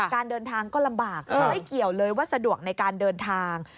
การเดินทางก็ลำบากไม่เกี่ยวเลยว่าสะดวกในการเดินทาง